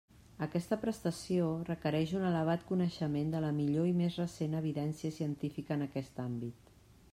Aquesta prestació requereix un elevat coneixement de la millor i més recent evidència científica en aquest àmbit.